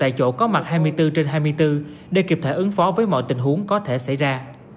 tại chỗ có mặt hai mươi bốn trên hai mươi bốn để kịp thời ứng phó với mọi tình huống có thể xảy ra